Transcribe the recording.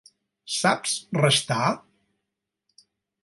Saps restar?